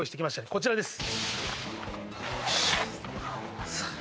こちらです